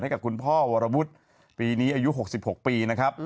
ให้กับคุณพ่อวรบุสปีนี้อายุหกสิบหกปีนะครับ